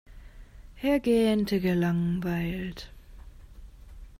Er gähnte gelangweilt.